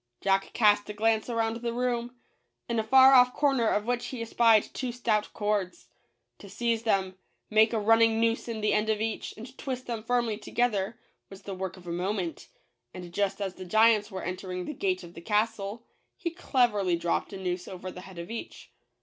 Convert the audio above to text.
Jack cast a glance around the room, in a far off corner of which he espied two stout cords. To seize them, make a running noose in the end of each, and twist them firmly to gether, was the work of a moment ; and just as the giants were entering the gate of the castle, he cleverly dropped a noose over the head of each.